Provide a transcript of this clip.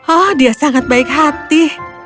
oh dia sangat baik hati